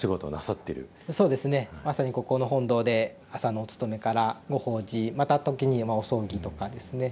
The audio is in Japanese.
まさにここの本堂で朝のお勤めからご法事また時にお葬儀とかですね